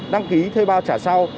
đăng ký thê bao trả sau